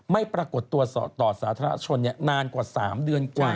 ปรากฏตัวต่อสาธารณชนนานกว่า๓เดือนกว่า